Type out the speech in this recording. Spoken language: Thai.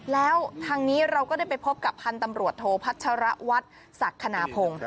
แล้วทางนี้เราก็ได้ไปพบกับพันธ์ตำรวจโทพัชรวัฒน์ศักดิ์คณพงศ์